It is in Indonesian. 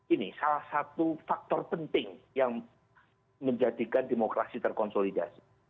ini salah satu faktor penting yang menjadikan demokrasi terkonsolidasi